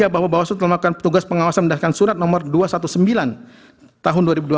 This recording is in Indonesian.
bahwa bawaslu telah melakukan tugas pengawasan berdasarkan surat nomor dua ratus sembilan belas tahun dua ribu dua puluh